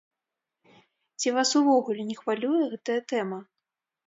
Ці вас увогуле не хвалюе гэтая тэма?